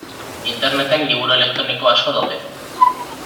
Interneten liburu elektroniko asko daude.